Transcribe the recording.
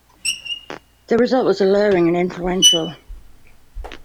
The result was alluring and influential.